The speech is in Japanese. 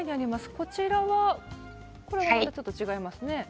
こちらはこれはまたちょっと違いますね。